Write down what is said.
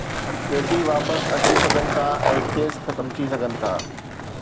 قيدي واپس اچي سگهن ٿا ۽ ڪيس ختم ٿي سگهن ٿا.